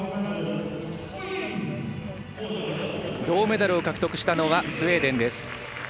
銅メダルを獲得したのがスウェーデンです。